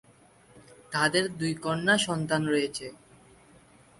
তাদের দুই কন্যা সন্তান রয়েছে।